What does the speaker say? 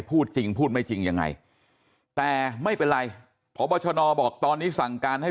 พูดจริงพูดไม่จริงยังไงแต่ไม่เป็นไรพบชนบอกตอนนี้สั่งการให้